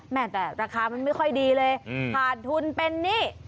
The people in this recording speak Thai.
แต่ราคามันไม่ค่อยดีเลยขาดทุนเป็นหนี้